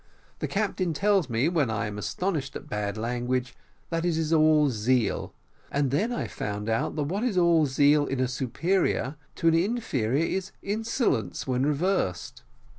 The captain tells me, when I am astonished at bad language, that it is all zeal, and then I found out that what is all zeal in a superior to an inferior, is insolence when reversed.